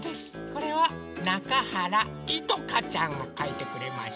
これはなかはらいとかちゃんがかいてくれました。